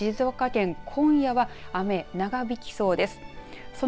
そして静岡県今夜は雨長引きそうです。